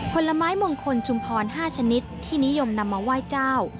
ผลไม้มงคลชุมพร๕ชนิดที่นิยมนำมาไหว้เจ้า